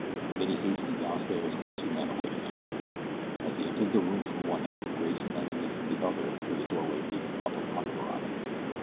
Then he hastened downstairs to the two men awaiting him. As he entered the room from one end Grayson entered it from the other through the doorway leading out upon the veranda.